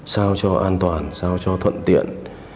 sao cho an toàn sao cho thuận tiện